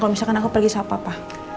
kalo misalkan aku pergi sama papa